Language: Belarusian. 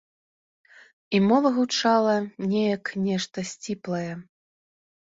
І мова гучала не як нешта сціплае.